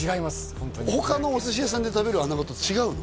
ホントに他のお寿司屋さんで食べる穴子と違うの？